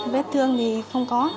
vết thương thì không có